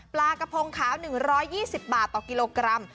ปลากระพงขาว๑๒๐บาทต่อกิโลกรัม